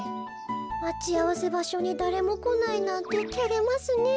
まちあわせばしょにだれもこないなんててれますねえ。